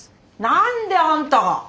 何であんたが！？